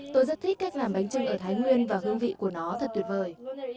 tôi rất thích cách làm bánh trưng ở thái nguyên và hương vị của nó thật tuyệt vời